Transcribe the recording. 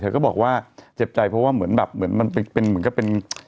ก็บอกว่าเจ็บใจเพราะว่าเหมือนแบบเหมือนมันเป็นเป็นเหมือนกับเป็น